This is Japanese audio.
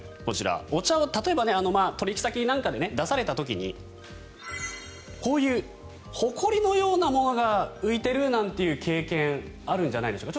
お茶を例えば、取引先なんかで出された時にこういうほこりのようなものが浮いているなんていう経験あるんじゃないでしょうか。